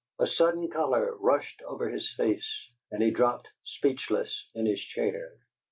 A sudden color rushed over his face, and he dropped speechless in his chair.